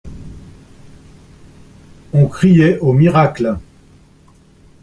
On criait au miracle.